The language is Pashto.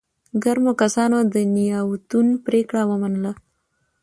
ګرمو کسانو د نياوتون پرېکړه ومنله.